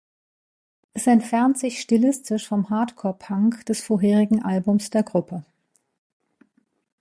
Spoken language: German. Es entfernt sich stilistisch vom Hardcore Punk des vorherigen Albums der Gruppe.